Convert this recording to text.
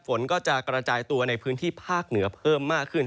ฝนก็จะกระจายตัวในพื้นที่ภาคเหนือเพิ่มมากขึ้น